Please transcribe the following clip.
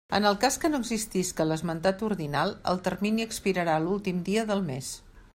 En el cas que no existisca l'esmentat ordinal, el termini expirarà l'últim dia del mes.